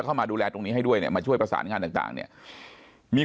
เข้ามาดูแลตรงนี้ให้ด้วยเนี่ยมาช่วยประสานงานต่างเนี่ยมี